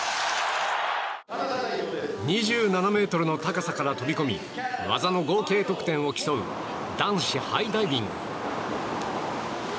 ２７ｍの高さから飛び込み技の合計得点を競う男子ハイダイビング。